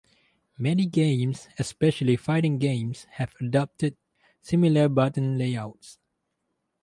Many games, especially fighting games, have adopted similar button layouts.